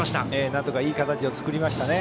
なんとかいい形を作りましたね。